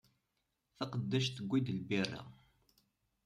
Taqeddact tewwi-d lbira.